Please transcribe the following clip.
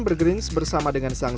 founder saja doang